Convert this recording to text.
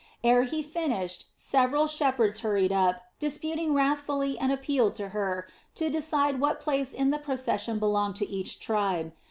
Ere he finished several shepherds hurried up, disputing wrathfully and appealed to Hur to decide what place in the procession belonged to each tribe.